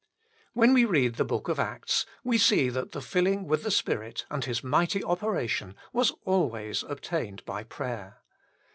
When we read the Book of the Acts, we see that the filling with the Spirit and His mighty operation was always obtained by prayer.